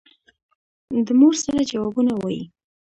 د مور سره جوابونه وايي.